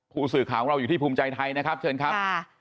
ภูมิสื่อข่าวของเราอยู่ที่ภูมิใจไทยเชิญครับ